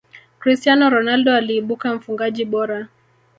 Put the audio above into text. cristiano ronaldo aliibuka mfungaji bora